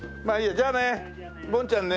じゃあねボンちゃんね。